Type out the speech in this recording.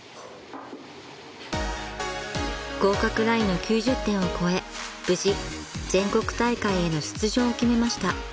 ［合格ラインの９０点を超え無事全国大会への出場を決めました］